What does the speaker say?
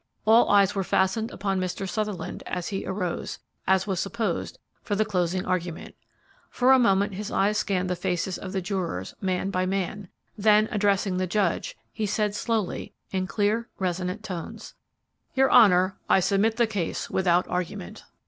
All eyes were fastened upon Mr. Sutherland as he arose, as was supposed, for the closing argument. For a moment his eyes scanned the faces of the jurors, man by man, then addressing the judge, he said slowly, in clear, resonant tones, "Your honor, I submit the case without argument."